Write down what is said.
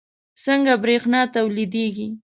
څنګه بریښنا تولیدیږي